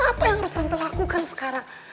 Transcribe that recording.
apa yang harus tante lakukan sekarang